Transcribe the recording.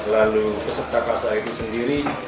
lalu peserta kasar itu sendiri